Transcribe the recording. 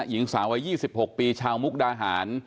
หญิงสาววัย๒๖ปีชาวมุกดาหาร